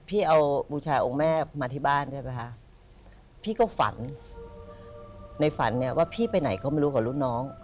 พี่เอาบูชาองค์แม่มาที่บ้านใช่ไหมคะพี่ก็ฝันในฝันเนี่ยว่าพี่ไปไหนก็ไม่รู้กับรุ่นน้อง